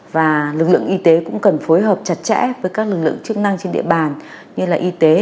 và lực lượng y tế cũng cần phối hợp chặt chẽ với các lực lượng chức năng trên địa bàn như y tế